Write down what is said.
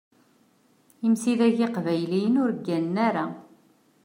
Imsidag iqbayliyen ur gganen ara.